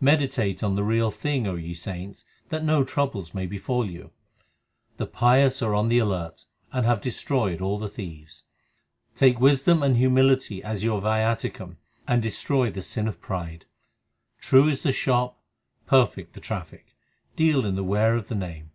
Meditate on the Real Thing, O ye saints, that no troubles may befall you. The pious are on the alert, and have destroyed all the thieves. 1 Take wisdom and humility as your viaticum, and destroy the sin of pride. True is the shop, 2 perfect the traffic ; deal in the ware of the Name.